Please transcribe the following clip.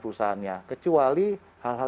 perusahaannya kecuali hal hal